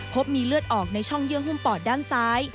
พบมีเลือดออกในช่องเยื่อหุ้มปอดด้านซ้าย